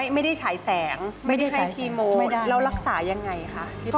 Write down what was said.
ไม่ได้ฉายแสงไม่ได้ให้ทีโมแล้วรักษายังไงคะ